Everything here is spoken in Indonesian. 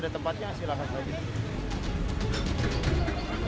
tempatnya silakan lagi